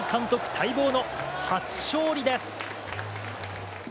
待望の初勝利です！